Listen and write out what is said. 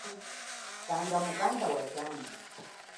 Tanga mukanda wa zambi.